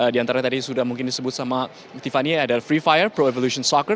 di antara tadi sudah mungkin disebut sama tiffany ada free fire pro evolution soccer